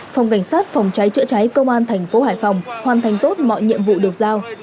phòng cảnh sát phòng cháy chữa cháy công an thành phố hải phòng hoàn thành tốt mọi nhiệm vụ được giao